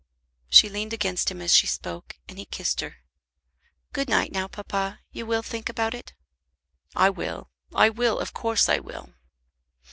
She leaned against him as she spoke, and he kissed her. "Good night, now, papa. You will think about it?" "I will. I will. Of course I will."